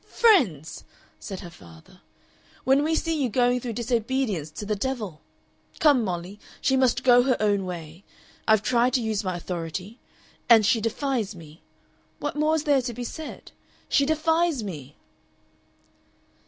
"Friends!" said her father. "When we see you going through disobedience to the devil! Come, Molly, she must go her own way. I've tried to use my authority. And she defies me. What more is there to be said? She defies me!"